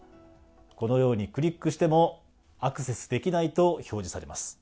このようにクリックしてもアクセスできないと表示されます。